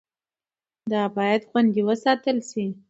دا باید خوندي وساتل شي.